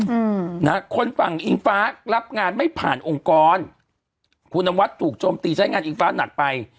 อืมนะฮะคนฝั่งอิงฟ้ารับงานไม่ผ่านองค์กรคุณนวัดถูกโจมตีใช้งานอิงฟ้าหนักไป